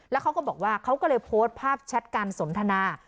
แล้วเขาก็บอกว่าเขาก็เลยโพสต์ภาพแชทการสนทนา